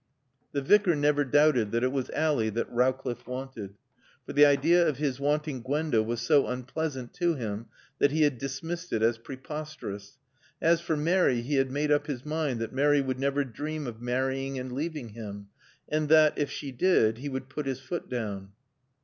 The Vicar never doubted that it was Ally that Rowcliffe wanted. For the idea of his wanting Gwenda was so unpleasant to him that he had dismissed it as preposterous; as for Mary, he had made up his mind that Mary would never dream of marrying and leaving him, and that, if she did, he would put his foot down.